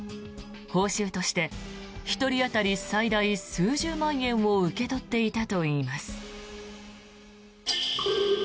報酬として１人当たり最大数十万円を受け取っていたといいます。